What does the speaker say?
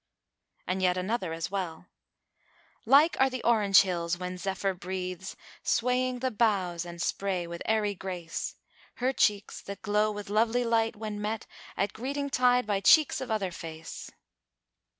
And yet another as well, "Like are the Orange hills[FN#404] when Zephyr breathes * Swaying the boughs and spray with airy grace, Her cheeks that glow with lovely light when met * At greeting tide by cheeks of other face."